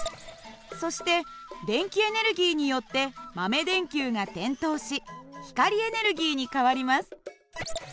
そして電気エネルギーによって豆電球が点灯し光エネルギーに変わります。